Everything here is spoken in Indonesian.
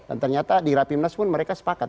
dan ternyata di rapi menas pun mereka sepakat